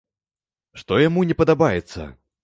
Што яму не падабаецца?